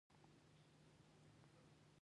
انار د افغانانو لپاره په معنوي لحاظ ارزښت لري.